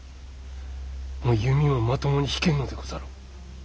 もう弓もまともに引けんのでござろう。